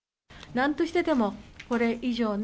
なんとしてでも、これ以上の